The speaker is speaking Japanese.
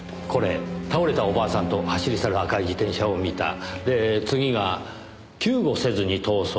「倒れたお婆さんと走り去る赤い自転車を見た」で次が「救護せずに逃走した」。